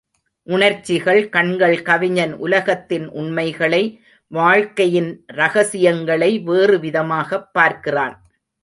உணர்ச்சிக் கண்கள் கவிஞன் உலகத்தின் உண்மைகளை, வாழ்க்கையின் ரகஸியங்களை வேறு விதமாகப் பார்க்கிறான்.